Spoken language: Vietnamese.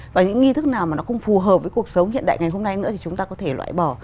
và những nghi thức nào mà nó không phù hợp với cuộc sống hiện đại ngày hôm nay nữa thì chúng ta có thể loại bỏ